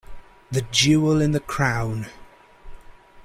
The jewel in the crown.